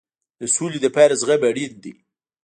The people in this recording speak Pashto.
د سولې لپاره زغم اړین دی